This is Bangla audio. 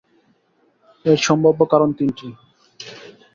এর সম্ভাব্য কারণ তিনটি।